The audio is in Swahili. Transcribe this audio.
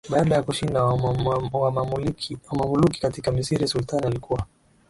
Baada ya kushinda Wamamaluki katika Misri sultani alikuwa